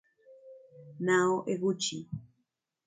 Nao Eguchi